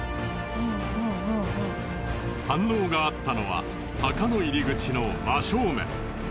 反応があったのは墓の入り口の真正面。